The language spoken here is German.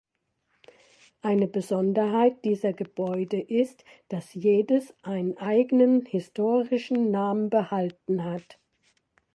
Eine Besonderheit dieser Gebäude ist, dass jedes einen eigenen historischen Namen behalten hat.